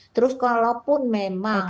terus kalaupun memang